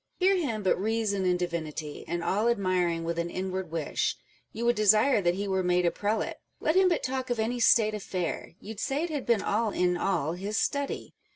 Hear him but reason in divinity, And, all admiring, with an inward wish You would desire that he were made a prelate. Let him but talk of any state affair, You'd say it had been all in all his study.